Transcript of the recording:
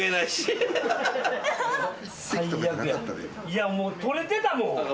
いやもう取れてたもん。